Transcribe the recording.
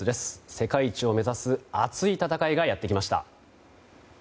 世界一を目指す熱い戦いがやってきました。